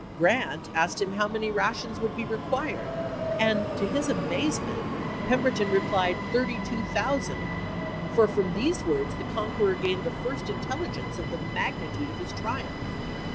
Grant asked him how many rations would be required, and, to his amazement, Pemberton replied thirty two thousand, for from these words the conqueror gained the first intelligence of the magnitude of his triumph.